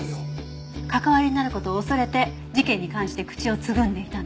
関わりになる事を恐れて事件に関して口をつぐんでいたの。